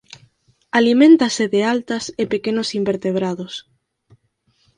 Aliméntase de altas e pequenos invertebrados.